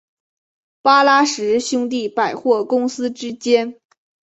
巴拉什兄弟百货公司之间。